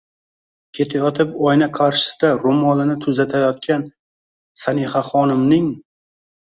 ketayotib oyna qarshisida ro'molini tuzatayotgan Sanixaxonimning